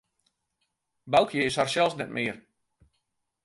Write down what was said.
Boukje is harsels net mear.